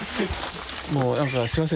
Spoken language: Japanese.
もうなんかすいません。